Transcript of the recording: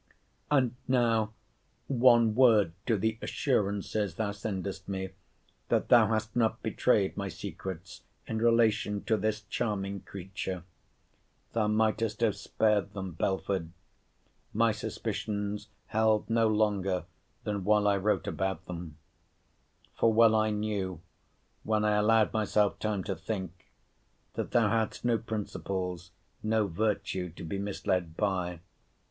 And now, one word to the assurances thou sendest me, that thou hast not betrayed my secrets in relation to this charming creature. Thou mightest have spared them, Belford. My suspicions held no longer than while I wrote about them.* For well I knew, when I allowed myself time to think, that thou hadst no principles, no virtue, to be misled by.